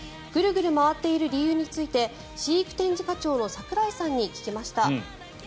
グルグル回っている理由について飼育展示課長の桜井さんに聞きました。